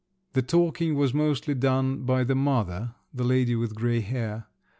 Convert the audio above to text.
The talking was mostly done by the mother, the lady with grey hair.